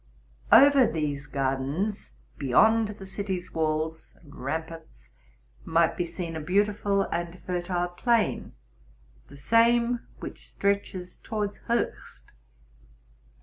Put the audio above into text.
Over these gardens, beyond the city's walls and ramparts, might be seen a beautiful and fertile plain, the same which stretches towards Hochst.